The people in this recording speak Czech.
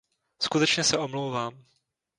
Skutečně se omlouvám.